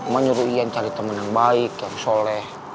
ma nyuruh yan cari temen yang baik yang soleh